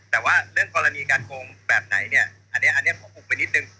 แต่ว่าเรื่องกรณีการโกงแบบไหนเนี่ยอันนี้ผมอุกไปนิดนึง